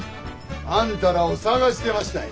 あんたらを捜してましたんや。